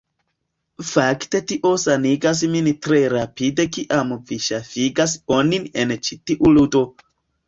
Fakte tio sanigas min tre rapide kiam vi ŝafigas onin en ĉi tiu ludo.